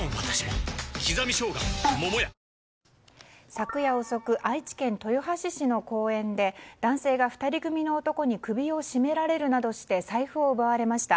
昨夜遅く愛知県豊橋市の公園で男性が２人組の男に首を絞められるなどして財布を奪われました。